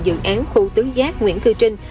dự án khu tứ giác nguyễn cư trinh